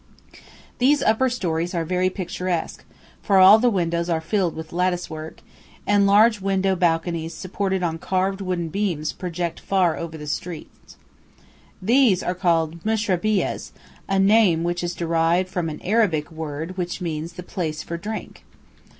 These upper storeys are very picturesque, for all the windows are filled with lattice work, and large window balconies supported on carved wooden beams project far over the street. These are called "mushrabiyehs," a name which is derived from an Arabic word which means "the place for drink."